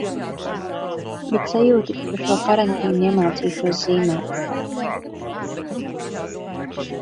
Bet sajūta, ka pa šo karantīnu iemācīšos zīmēt.